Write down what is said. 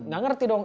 gak ngerti dong